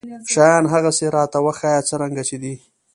شيان هغسې راته وښايه څرنګه چې دي.